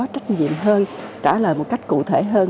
trách nhiệm hơn trả lời một cách cụ thể hơn